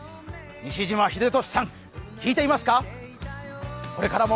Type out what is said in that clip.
西島秀俊さん、聞いていますか？